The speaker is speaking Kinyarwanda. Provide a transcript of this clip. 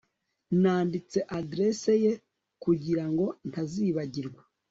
Nanditse adresse ye kugirango ntazibagirwa